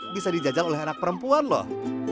bisa dijajal oleh anak perempuan loh